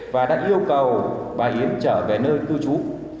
và đã yêu cầu bà yến trở về nơi cư trú